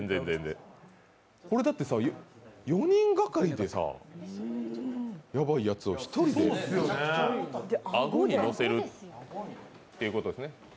これだってさ、４人がかりでヤバいやつを１人でアゴにのせるってことですね